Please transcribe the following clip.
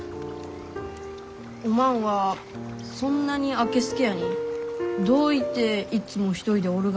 おまんはそんなにあけすけやにどういていっつも一人でおるがじゃ？